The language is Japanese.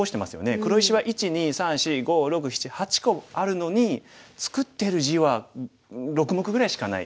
黒石は１２３４５６７８個あるのに作ってる地は６目ぐらいしかない。